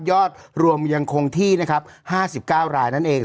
ยอดรวมยังคงที่๕๙รายนั่นเอง